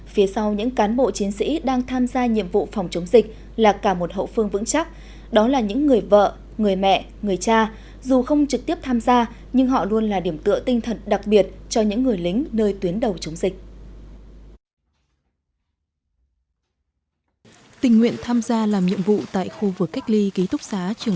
phía sau những cán bộ chiến sĩ đang tham gia nhiệm vụ phòng chống dịch là cả một hậu phương vững chắc đó là những người vợ người mẹ người cha dù không trực tiếp tham gia nhưng họ luôn là điểm tựa tinh thần đặc biệt cho những người lính nơi tuyến đầu chống dịch